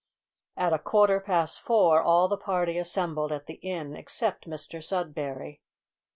At a quarter past four all the party assembled at the inn except Mr Sudberry.